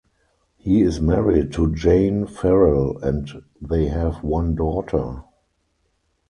He is married to Jayne Farrell and they have one daughter.